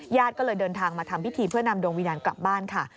ญาติก็เลยเดินทางมาทำพิธีเพื่อนำดวงวิญญาณกลับบ้านค่ะ